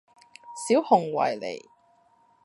小熊維尼